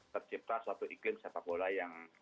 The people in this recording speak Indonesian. tercipta suatu iklim sepak bola yang